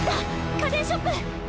家電ショップ。